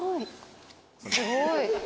すごい。